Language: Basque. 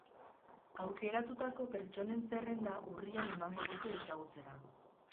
Aukeratutako pertsonen zerrenda urrian emango dute ezagutzera.